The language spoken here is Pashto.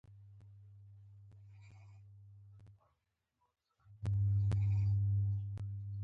موټرونه سره زر نغدې پيسې محاسبه کېږي.